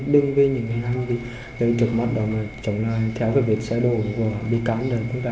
đừng vì những hành vi trực mắt đó mà chống lại theo việc xã hội bị cám